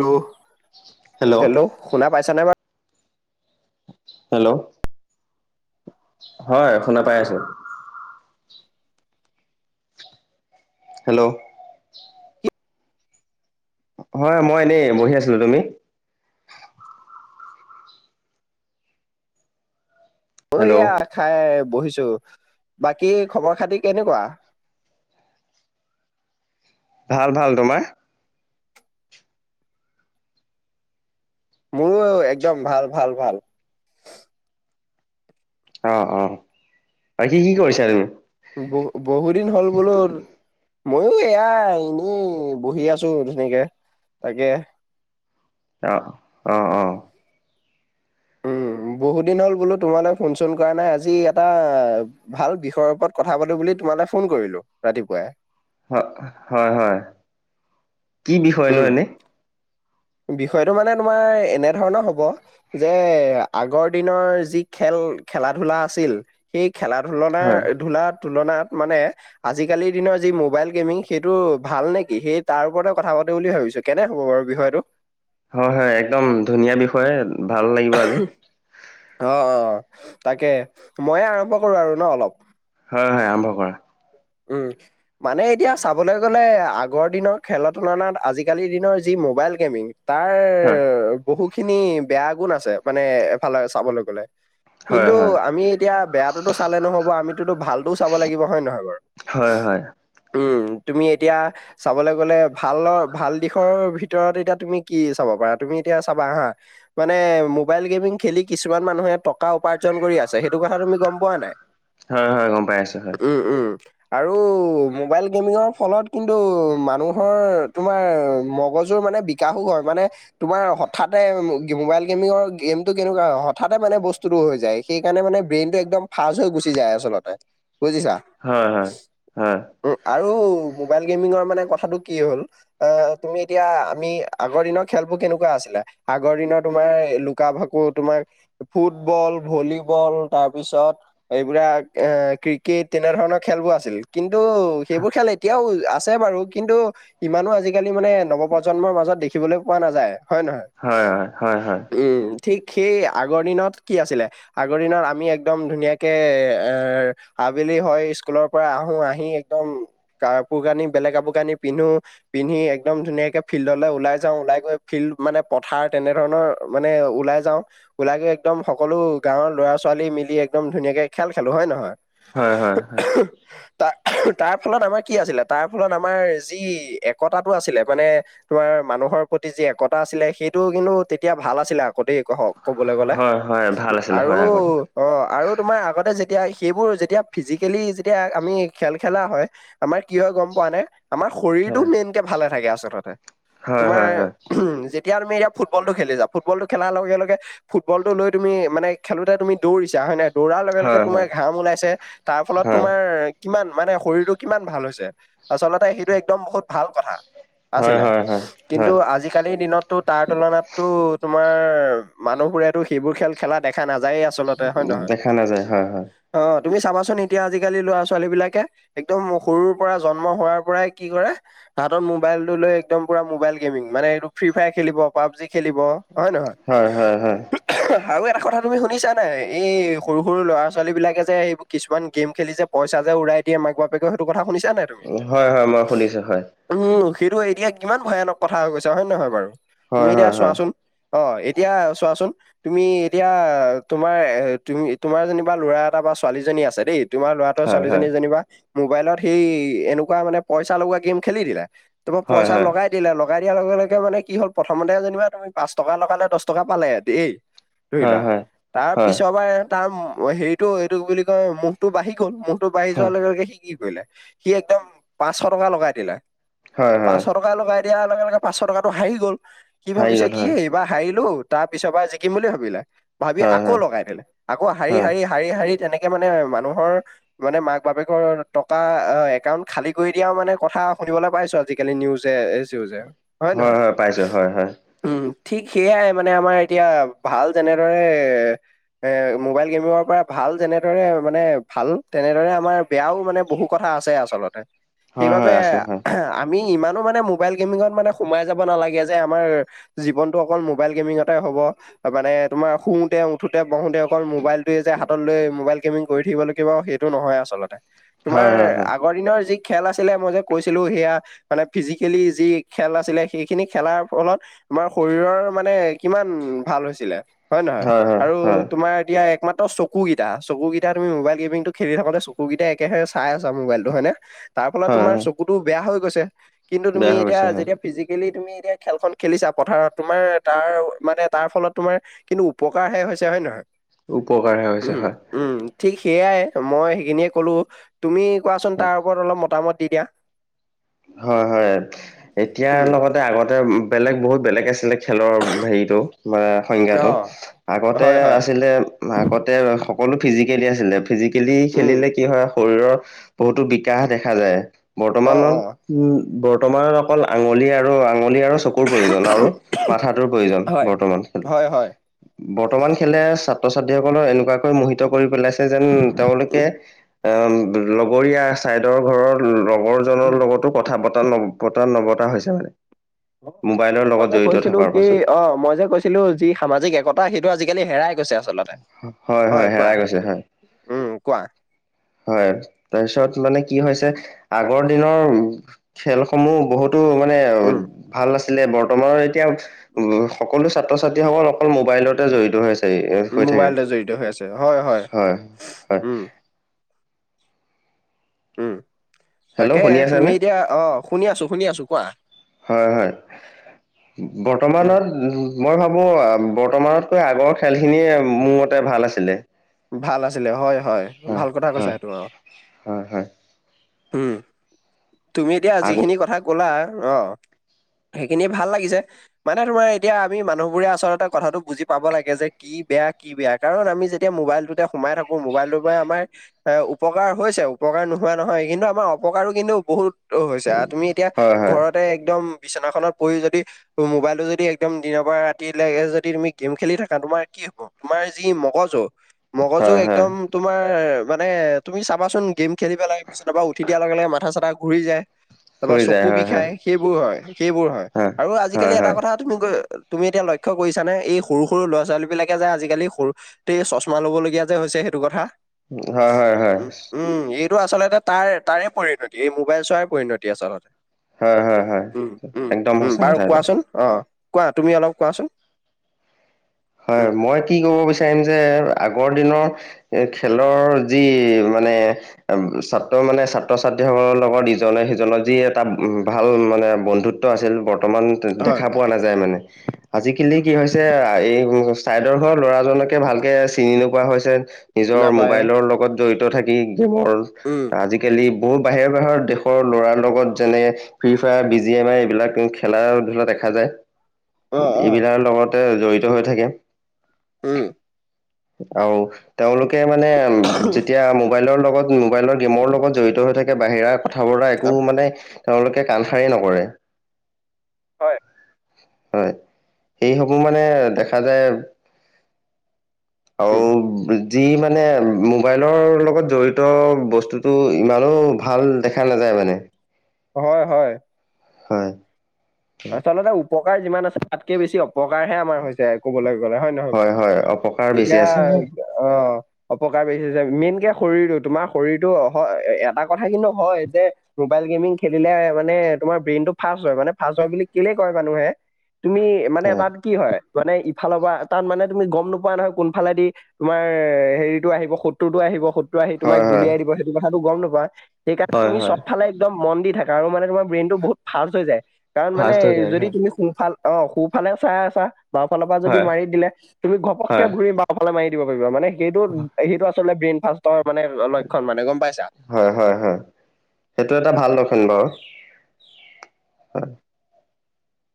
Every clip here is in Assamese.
ল্ল'। হেল্ল', শুনা পাইছা নে বা হেল্ল', হয় শুনা পাই আছো। হেল্ল'। হয়, মই এনেই বহি আছিলো, তুমি? অ হেল্ল' এয়া খাই বহিছো বাকী খবৰ-খাতি কেনেকুৱা? ভাল ভাল, তোমাৰ? মোৰো একদম ভাল ভাল ভাল। অ অ আৰু কি কি কৰিছা তুমি? বহু বহুদিন হ'ল বোলো ময়ো এয়াই এনেই বহি আছো ধুনিয়াকে, তাকে। অহ অহ অহ। উম। বহুত দিন হ'ল বোলো তোমালৈ ফোন চোন কৰা নাই আজি এটা ভাল বিষয়ৰ ওপৰত কথা পাতো বুলি তোমালৈ ফোন কৰিলো ৰাতিপুৱাই। হয় হয় কি বিষয় উম লয় এনে। বিষয়টো মানে তোমাৰ এনে ধৰণৰ হ'ব যে আগৰ দিনৰ যি খেল খেলা ধূলা আছিল সেই খেলা হয় ধূলনাৰ ধুলাত তুলনাত মানে আজিকালি দিনৰ যি মোবাইল গেমিং সেইটো ভাল নেকি সেই তাৰ ওপৰ কথা বুলি ভাবিছো কেনে হ'ব বাৰু বিষয়টো? হয় হয় একদম ধুনীয়া বিষয় ভাল লাগিব আজি। অ অ তাকে ময়ে আৰম্ভ কৰোঁ আৰু ন অলপ। হয় হয় আৰম্ভ কৰা উম মানে এতিয়া চাবলৈ গ'লে আগৰ দিনৰ খেলৰ তুলনাত আজিকালি দিনৰ যি মোবাইল গেমিং হয় খিনি বেয়া গুণ আছে মানে এফালে চাবলে গলে হয় কিন্তু হয় আমি এতিয়া বেয়াতোতো চালে নহব আমিতো ভালটোও চাব লাগিব হয় নহয় বাৰু হয় হয় উম তুমি এতিয়া চাবলে গ'লে ভালৰ ভাল দিশৰ ভিতৰত এতিয়া তুমি কি চাব তুমি এতিয়া চাবা হা মানে মোবাইল গেমিং খেলি কিছুমান মানুহে টকা উপাৰ্জন কৰি আছে সেইটো কথা তুমি গম পোৱা নাই হয় হয় গম পাই আছো হয় উম, উম। আৰু মোবাইল গেমিঙৰ ফলত কিন্তু মানুহৰ তোমাৰ মগজুৰ মান বিকাশো হয় মানে তোমাৰ হঠাতে মোবাইল গেমিঞৰ গেমটো কেনেকুৱা হয় হঠাতে মানে বস্তুটো হৈ যায় সেইকাৰণে মানে ব্ৰেইনটো একদম ফাচ হৈ গুচি যায় আচলতে বুজিছা হয় হয় ঔ মোবাইল গেমিংৰ মানে কথাটো কি হ'ল অ তুমি এতিয়া আমি আগৰ দিনৰ খেলবোৰ কেনেকুৱা আছিল আগৰ দিনৰ তোমাৰ লুকা ভাকু তোমাৰ ফুটবল ভলীবল তাৰপিছত ত এইবিলাক এ ক্ৰিকেট তেনেধৰণৰ খেলবোৰ আছিল কিন্তু সেইবোৰ খেল এতিয়াও আ আছে বাৰু কিন্তু ইমানো আজিকালি মানে নৱপ্ৰজন্মৰ মাজত দেখিবলৈ পোৱা নাযায় হয় নহয় হয় হয় হয় হয় উম ঠিক সেই আগৰ দিনত কি আছিলে আগৰ দিনত আমি একদম ধুনীয়াকে এ আবেলি হয় স্ক স্কুলৰ পৰা আহো আহি একদম কাপোৰ কানি বেলেগ কাপোৰ কানি পিন্ধো পিন্ধি একদম ধুনীয়া তেনেকে ফিল্ডলৈ ওলাই যাও ওলাই গৈ ফিল্ড মানে পথাৰ তেনে ধৰণৰ মানে ওলাই যাওঁ ওলাই গৈ একদম সকলো গাঁৱৰ ল'ৰা ছোৱালী মিলি একদম ধুনীয়াকে খেল খেলো হয় নহয় হয় হয় [unintelligible] তাৰ তাৰ ফলত আমাৰ কি আছিলে তাৰ ফলত আমাৰ যি একতাটো আছিলে মানে তোমাৰ মানুহৰ প্ৰতি যি একতা আছিলে সেইটোও কিন্তু তেতিয়া ভাল আছিলে কতেই ক কবলৈ হয় গ'লে হয় হয় ভাল আছিলে আৰু হয় আগতে অ আৰু তোমাৰ আগতে যে তেতিয়া সেইবোৰ যেতিয়া ফিজিকেলি যেতিয়া আমি খেল খেলা হয় আমাৰ কি হয় গম পোৱা নে? আমাৰ শৰীৰটো হয় মেইনকে ভালে থাকে আচলতে। হয় তোমাৰ হয় হয় এতিয়া তুমি এতিয়াুটবলটো খেলি যা' ফুটবলটো খেলাৰ লগে লগে ফুটবলটো লৈ তুমি মানে খেলোতে তুমি দৌৰিছা হয় নাই দৌৰাৰ লগে লগে হয় তোমাৰ হয় ঘাম ওলাইছে তাৰ ফলত হয় তোমাৰ কিমান মানে শৰীৰটো কিমান ভাল হৈছে' আচলতে সেইটো একদম বহুত ভাল কথা। হয় আছিলে, হয় হয় কিন্তু হয় আজিকালিৰ দিনতটো তাৰ তুলনাততো তোমাৰ মানুহ বোৰেতো সেইবোৰ খেল খেলা দেখা নায যায় আচলতে হয়ে নহয় দেখা নাযায় হয় হয় অ' তুমি চাবাচোন এতিয়া আজিকালি ল'ৰা-ছোৱালী বিলাকে একদম সৰুৰ পৰা জন্ম হোৱাৰ পৰাই কি কৰে হাত মোবাইলটো লৈ একদমপুৰা মোবাইল গেমিং মানে এইটো ফ্ৰী ফায়াৰ খেলিব, পাবজি খেলিব হয়ে নহয়? হয় হয় হয় আৰু এটা কথা তুমি শুনিছা নাই? এই সৰু সৰু ল'ৰা ছোৱালী বিলাকে যে সেই কিছুমান গেম খেলি যে পইচা যে উৰাই দিয়ে মাক বাপেক সেইটো কথা শুনিছ নাই তুমি, হয় হয় মই শুনিছো হয় উম সেইটো এতিয়া কিমান ভয়ানক কথা হৈ গৈছা হয়ে নহয় বাৰু? তুমি হয় এতিয়া হয় চোৱাচোন! অ' এতিয়া চোৱাচোন! তুমি এতিয়া তোমাৰ এ তুমি তোমাৰ যেনিবা ল'ৰা এটা বা ছোৱালীজনী আছে দেই' তোমাৰ ল'ৰাটো আৰু হয় হয় ছোৱালীজনী যেনিবা মোবাইলত সেই এনেকুৱা মানে পইচা লগোৱা গেম খেলি দিলে' তোমাৰ হয় পইচা হয় লগাই দিলে' লগাই [unintelligible] লগে লগে মানে কি হ'ল প্ৰথমতে যেনিবা তুমি পাঁ টকা লগালে দহ টকা পালে দেই' ধৰি হয় লোৱা হয় তাৰ হয় পিছৰ পৰা তাৰ হেৰিটো এইটো বুলি মুটো বাঢ়ি গ'লো বাঢ়ি হয় যোৱাৰ লগে লগে সি কি কৰিলে? সি একদম পাচশ টকা লগাই দিলে হয় হয় - হয় পাচশ টকা লগাই দিয়াৰ লগে লগে পাচশ টকাাতটো হাৰি গল কি হাৰি ভাবিছে গ'ল কি হয় এই বাাৰ হাৰিলো তাৰ পিছৰ পৰা জিকিম বুলি ভাবিলে ভাবি হয় আকৌ হয় লগাই দিলে আকৌ শাৰী - হয় শাৰী - শাৰী - শাৰী মানে মানুহৰ মানে মাক বাপেকৰ টকা একাউন্ট খালি কৰি দিয়াও মানে কথা শুনিবলে পাইছো আজিকালি নিউজে চিউজে হয় নে নহয় পাইছো হয় হয় উম, ঠিক সেয়াই মানে আমাৰ এতিয়া ভাল যেনেদৰে এ মোবাইল গেমিৰ পৰা ভাল যেনে দৰে মানে ভাল তেনেদৰে আমাৰ বেয়াও মানে বহু কথা আছে আচলতে হয় সেইবাবে হয় আছে হয় আমি ইমানো মানে মোবাইল গেমিংত মানে সোমাই যাব নালাগে যে আমাৰ জীৱনটো অকল মোবাইল গেমিঙতে হব মানে তোমাৰ শুৱতে উঠোতে বহোতে অকল মোবাইল টো যে হাতত লৈ মোবাইল মি কৰি থাকিব লিব সেইটো নহয় আচলতে তোমাৰ হয় হয় হয় আগৰ দিনৰ যি খেল আছিলে মই যে কৈছিলো সেয়া মানে ফিজিকেলি যি খেল আছিলে সেইখিনি খেলাৰ ফলত তোমাৰ শৰীৰৰ মানে কিমান ভাল হৈছিলে। হয়ে নহয় হয় হয় আৰু হয় তোমাৰ এতিয়া একমাত্ৰ চকু কেইটা চকুকেইটা তুমি মোবাইল গমিংটো খেলি থাকোতে চকুকেইটাই একে চাইছ মোবাইলটো হয় নে। তাৰ ফলত হয় তোমাৰ হয় চকুতটো বেয়া হৈ গৈছে কিন্তু তুমি বেয়া হৈ এতিয়া গৈছে হয় যেতিয়া ফিজিকেলি তুমি এতিয়া খেলখন খেলিছা পথাৰত তোমাৰ তাৰ মানে তাৰ ফলত তোমাৰ কিন্তু উপকাৰহে হৈছে হয়ে নহয়। উপকাৰহে হৈছে উম, হয়। উম, ঠিক সেইয়াই মই সেইখিনিয়ে কলো তুমি কোৱাচোন হয় তাৰ ওপৰত অলপ মতামত দি দিয়া। হয় - হয় এতিয়াৰ উম, লগতে আগতে বেলেগ বহুত বেলেগ আছিলে খেলৰ হেৰিতটো ম সংজ্ঞাটো অ', আগতে হয়, হয়, আছিলে আগতে সকলো ফিজিকেলি আছিলে। ফিজিকেলি উম, খেলিলে কি হয় শৰীৰৰ বহুতো বিকাশ দেখা যায় অ', বৰ্তমানত অ', উম বৰ্তমানত অকল আঙুলি আৰু আঙ পলি আৰু চকুৰ প্ৰয়োজন আৰু মাথাটোৰ প্ৰয়োজন হয়, বৰ্তমান খেল হয়, হয়, বৰ্তমান খেলে ছাত্ৰ ছাত্ৰীসকলৰ এনেকুৱাকৈ মোহিত কৰি পেলাইছে যেন তেওলোকে অ, লগৰীয়া ছাইদৰ ঘৰৰ লগৰজনৰ উম। লগতো স বতা ন্বতা ন্বতা হৈছে মানে [unintelligible] মোবাইল মই যে কৈছিলো কি অ, মই যে কৈছিলো যি সামাজিক একতা সেইটো আজিকালি হেৰাই কৈছে আচলতে হয় কোৱা হেৰাই গৈছে হয় উম, কোৱা? হয় তাৰপিছত মানে কি হৈছে আগৰ দিনৰ খেলসমূহ বহুত টো মানে উম, ভাল আছ আছিলে বৰ্তমানৰ এতিয়া উম, সকলো ছাত্ৰ ছাত্ৰীসকল অকল মোবাইলতে জড়িত হৈ হৈছে। উম, মোবাইলতে জড়িত হৈ আছে হয় - হয় হয় উম। উম, হেল্ল' তাকে শুনি তুমি আছেনে এতিয়া অ, শুনি আছো - শুনি আছো কোৱা। উম, বৰ্তমানৰ মই ভাবো বৰ্তমানতকৈ আগৰ খেলখিনিয়ে মোৰ মতে ভাল আছিলে। ভাল আছিলে হয় - হয় ভাল কথা কৈছা সেইটো আৰু হয় হয় উম, তুমি এতিয়া আগ যিখিনি কথা কলা অ, সেইখিনিয় ভাল লাগিছে মানে তোমাৰ এতিয়া আমি মানুহ বোৰে আচলতে কথাটো বুজি পাব লাগে যে কি বেয়া কি বেয়া কাৰণ আমি যেতিয়া এতিয়া মোবাইলটোতে সোমাই থাকো মোবাইলটোৰ পৰা আমাৰ এ উপকাৰ হৈছে উপকাৰ নোহোৱা নহয় কিন্তু আমাৰ অপকাৰো কিন্তু বহুত হৈছে তুমি এতিয়া হয় হয় ঘৰতে একদম বিছনাখনত পৰি যদি মোবাইলটো যদি একদম দিনৰ পৰা ৰাতিলৈকে যদি তুমি গেম খেলি থাকা তোমাৰ কি কি হ'ব তোমাৰ যি মগজু মগজু হয় হয় একদম তোমাৰ মানে তুমি চাবাচোন গেম খেলি পেলাই বিচনা পা উঠি দিয়াৰ লগে, লগে মাথা চাথা ঘূৰি যায়, তাৰপা কৰি যায় চকু হয় বিষ হয় খাই সেইবোৰ হয়। সেইবোৰ হয়, আৰু হয় আজিকালি এটা হয় কথা তুমি তুমি এতিয়া লক্ষ্য কৰিছানে এই সৰু, সৰু ল'ৰা ছোৱালীবিলাকে যে আজিকালি সৰুতে চছ মা ল'বলগীয়া যে হৈছে সেইটো কথা। হয়, হয়, হয়। উম উম এইটো আচলতে তাৰ-তাৰে পৰিণতি, এই মোবাইল চোৱাৰ পৰিণতি আচলতে। হয় হয় হয় উম, উম, একদম উম, সঁচা বাৰু কথা এইটো কোৱাচোন অ'। কোৱা তুমি অলপ কোৱাচোন? হয়, উম মই কি ক'ব বিচাৰিম যে আগৰ দিনৰ খেলৰ যি মানে ছাত্ৰ মানে ছাত্ৰ ছাত্ৰী লগত ইজনে সিজনৰ যি এটা ভাল মানে বন্ধুত্ব আছিল বৰ্তমান হয় দেখা পোৱা নাযায় মানে আজিকালি কি হৈছে এই চাইডৰ ঘৰৰ ল'ৰাজনকে ভালকে চিনি নোপোৱা হৈছে নিজৰ নাপায় মোবাইলৰ লগত জড়িত থাকি গেমৰ উম আজিকালি বহুত বাহিৰৰ, বাহিৰৰ দেশৰ ল'ৰাৰ লগত যেনে ফ্ৰীফায়াৰ বিজি এম আই এইবিলাক খেলা ধূলা দে খা যায়, অ অ এইবিলাৰ লগতে জড়িত হৈ থাকে। উম। আৰু তেওঁলোকে মানে উ যেতিয়া মোবাইলৰ লগ ত মোবাইলৰ গেমৰ লগত জড়িত হৈ থাকে, বাহিৰা কথা বৰা অ, একো মানে তেওঁলোকে কাণসাৰে নকৰে। হয়। হয়, সেইসমূহ মানে দেখা যায় উম [inaudible] যি মানে মোবাইলৰ লগত জড়িত বস্তুটো ইমানো ভাল দেখা নাযায়। [inaudible] হয়, হয়। হয়। আচলতে উপকাৰ যিমান আছে, তাতকে বেছি অপ কাৰহে আমাৰ হৈছে ক'বলৈ গ'লে হয়, নহয় বাৰু হয় অপকাৰ বেছি এতিয়া আছে হয় অহ, অপকাৰ বেছি যে, মেইনকে শৰীৰটো তোমাৰ শৰীৰটো এটা কথা কিন্তু হয় যে মোবাইল গেমিং খেলিলে মানে তোমাৰ ব্ৰেইনটো ফাষ্ট হয়, মানে ফাষ্ট বুলি কেলে কয় মানুহে তুমি মানে হয় তাত কি হয়, মানে ইফালৰ পৰা তাত মানে তুমি গম নোপোৱা নহয় কোনফালেদি তোমাৰ হেৰিতটো আহিব শত্ৰুটো আহিব শত্ৰু আহি তোমাক হয় হয় গুলিয়াই দিব সেইটো কথাটো গম নোপোৱা, সেইকাৰণে হয় তুমি হয় চবফালে একদম মন দি থাকা আৰু মানে তোমাৰ ব্ৰেইনটো বহুত ফাষ্ট হৈ যায়, কাৰণ মানে ফাষ্ট হৈ যায় যদি তুমি সো অ', সোঁফালে চাই আছা বাওঁফালৰ পৰা যদি হয় মাৰি দিলে তুমি ঘপককে হয় ঘূৰি বাওঁফালে মাৰি দিব পাৰিব মানে সেইটো, হয় সেইটো আচলতে ব্ৰেইনফাষ্ট হয়, হয়, হয়, সেইটো এটা ভাল লক্ষণ বাৰু। হয়।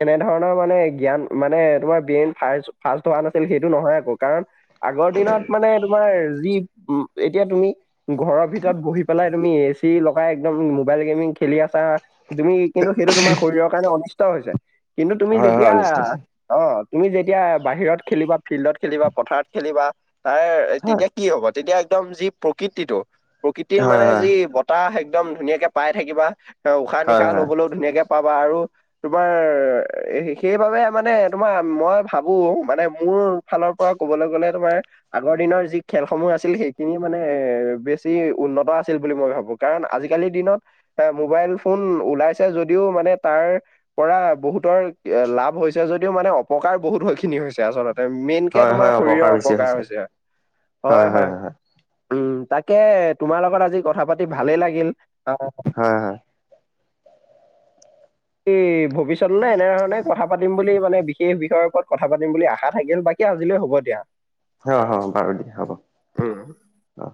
কেনেধৰণৰ মানে জ্ঞান মানে তোমাৰ ব্ৰেইন ফাৰষ্ট ফাষ্ট হোৱা নাছিল, সেইটো নহয় আকৌ কাৰণ আগৰদিনত মানে তোমাৰ যি উম, এতিয়া তুমি ঘৰৰ ভিতৰত বহি পেলাই তুমি এ চি লগাই একদম মোবাইল গেমিং খেলি আছ ছা তুমি কিন্তু সেইটো তোমাৰ শৰীৰৰ কাৰণে অনিষ্ট হৈছে, কিন্তু তুমি হয় হয় যেতিয়া অনিষ্ট আছে অ', তুমি যেতিয়া বাহিৰত খেলিবা, ফিল্ডত খেলিবা, পথাৰত খেলিবা, তাৰ হয় তেতিয়া কি হ'ব তেতিয়া একদম যি প্ৰকৃতিটো প্ৰকৃতিৰ হয় মানে হয় যি বতাহ এক দম ধুনীয়াকে পাই থাকিবা উশাহ হয় নিশাহ হয় ল'বলৈও ধুনীয়াকে পাবা আৰু তোমাৰ সেইবাৱে মানে তোমাৰ মই ভাবোঁ মানে মোৰ ফালৰ পৰা ক'বলৈ গ'লে তোমাৰ আগৰদিনৰ যি খেলসমূহ আছিল সেইখিনি মানে বেছি উন্নত আছিল বুলি মই ভাবো কাৰণ আজি আজিকালিৰ দিনত এ মোবাইল ফোন ওলাইছে যদিও মানে তাৰ পৰা বহুতৰ লাভ হৈছে যদিও মানে অপকাৰ বহুতো খিনি হৈছে আচলত মেইনকে হয় তোমাৰ হয় শৰীৰৰ বেছি অপকাৰ হৈছে, হয় হয় উম। তাকে তোমাৰ লগত আজি কথা পাতি ভালেই লাগিল আহ। হয় এই ভৱিষ্যতলৈ এনেধৰণে কথা পাতিম বুলি মানে বিশেষ বিষয়ৰ ওপৰত। কথা পাতিম বুলি আশা থাকিল বাকী আজিলৈ হ'ব দিয়া। অ হ বাৰু দিয়া হ'ব উম। অ।